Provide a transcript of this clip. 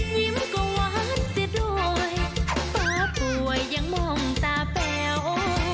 ยิ้มก็หวานเสียด้วยป๊าป่วยยังมองตาแป๋ว